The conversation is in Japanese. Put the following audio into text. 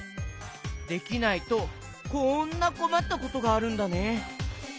できないとこんなこまったことがあるんだね。